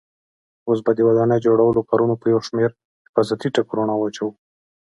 اوس به د ودانۍ جوړولو کارونو په یو شمېر حفاظتي ټکو رڼا واچوو.